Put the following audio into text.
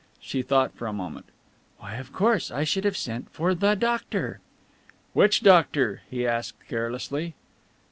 She thought for a moment. "Why, of course, I should have sent for the doctor." "Which doctor?" he asked carelessly.